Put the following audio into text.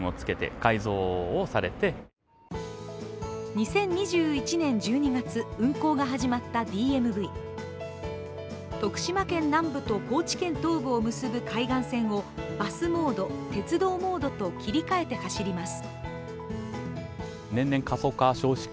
２０２１年１２月、運行が始まったＤＭＶ。徳島県南部と高知県東部を結ぶ海岸線を、バスモード、鉄道モードと切り替えて走ります。